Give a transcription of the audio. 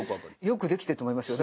よくできてると思いますよ。